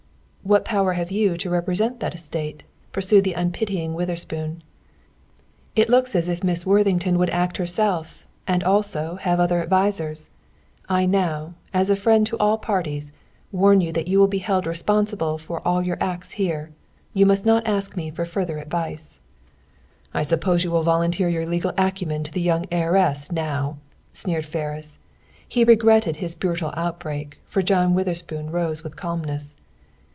"What power have you to represent that estate?" pursued the unpitying Witherspoon. "It looks as if Miss Worthington would act herself, and, also, have other advisers. I now, as a friend to all parties, warn you that you will be held responsible for all your acts here. You must not ask me for any further advice." "I suppose you will volunteer your legal acumen to the young heiress, now!" sneered Ferris. He regretted his brutal outbreak, for John Witherspoon rose with calmness.